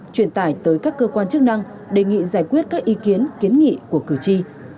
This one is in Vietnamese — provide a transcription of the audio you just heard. truyền tải tới các cơ quan chức năng đề nghị giải quyết các ý kiến kiến nghị của cử tri